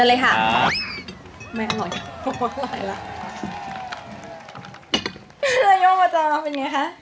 เดี๋ยวเคับอาจารย์มันเป็นอย่างไงฮะ